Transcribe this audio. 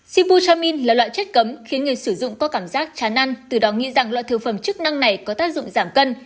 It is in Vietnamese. sipusamin là loại chất cấm khiến người sử dụng có cảm giác chán ăn từ đó nghĩ rằng loại thực phẩm chức năng này có tác dụng giảm cân